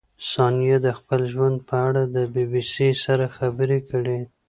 ثانیه د خپل ژوند په اړه د بي بي سي سره خبرې کړې.